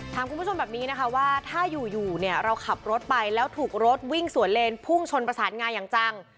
คุณผู้ชมแบบนี้นะคะว่าถ้าอยู่เนี่ยเราขับรถไปแล้วถูกรถวิ่งสวนเลนพุ่งชนประสานงาอย่างจัง